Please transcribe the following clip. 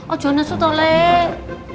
oh janganlah setolah